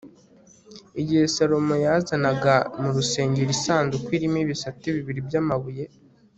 igihe salomo yazanaga mu rusengero isanduku irimo ibisate bibiri by'amabuye